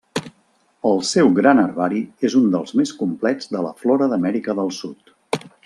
El seu gran herbari és un dels més complets de la flora d'Amèrica del Sud.